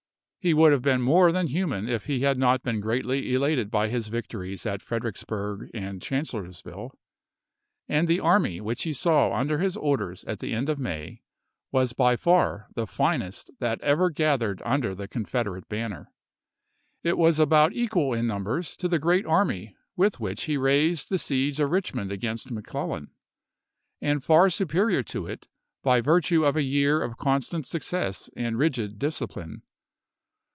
He would have been more than human if he had not been greatly elated by his victories at Fredericksburg and Chancellorsville; and the army which he saw under his orders at the end of May was by far the finest that ever gathered under the Confederate banner. It was about equal in num bers to the great army with which he raised the siege of Eichmond against McClellan, and far su perior to it by virtue of a year of constant success and rigid discipline.